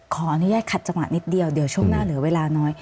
ขออนุญาตขัดจังหวะนิดเดียวเดี๋ยวช่วงหน้าเหลือเวลาน้อย